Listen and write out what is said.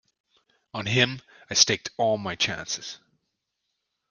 On him I staked all my chances.